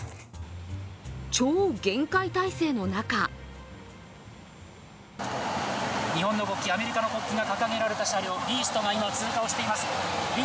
超厳戒態勢の中日本の国旗、アメリカの国旗を掲げられた車両、ビーストが今、通過をしています。